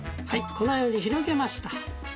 このように広げました。